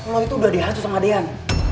lo itu udah dihantu sama dean